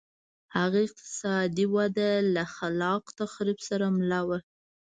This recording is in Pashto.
هغه اقتصادي وده له خلاق تخریب سره مله وه.